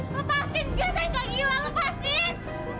lepasin gak gila lepasin